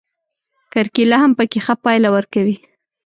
کرکېله هم پکې ښه پایله ورکوي.